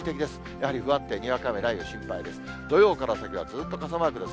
やはり不安定、にわか雨、雷雨、心配です。